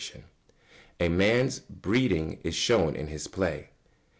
[Sidenote: A man's breeding is shown in his play.